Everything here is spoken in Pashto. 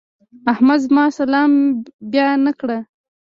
احمد زما سلام بيا نه کړ.